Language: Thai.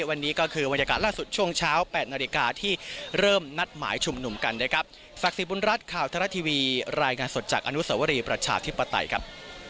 วันนี้ก็คือบรรยากาศล่าสุดช่วงเช้า๘นาฬิกาที่เริ่มนัดหมายชุมหนุ่มกันนะครับ